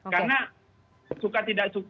karena suka tidak suka